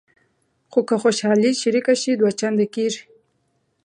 خو که خوشحالي شریکه شي دوه چنده کېږي.